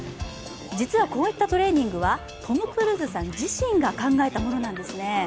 実はこういったトレーニングはトム・クルーズさん自身が考えたものなんですね。